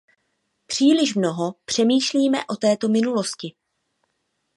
Příliš mnoho přemýšlíme o této minulosti.